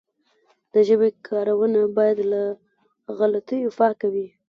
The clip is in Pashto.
د ژبي کارونه باید له غلطیو پاکه وي.